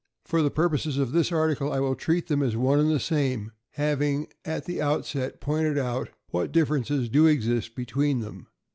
For the purposes of this article I will treat them as one and the same, having at the outset pointed out what differences do exist between them.